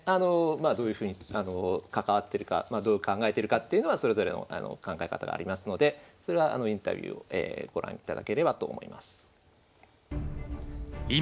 どういうふうに関わってるかどう考えてるかっていうのはそれぞれの考え方がありますのでそれはインタビューをご覧いただければと思います。